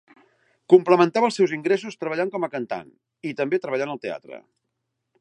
Complementava els seus ingressos treballant com a cantant, i també treballant al teatre.